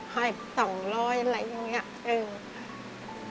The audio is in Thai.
ให้๒๐๐อะไรอย่างนี้